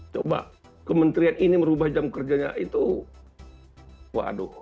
coba kementerian ini merubah jam kerjanya itu waduh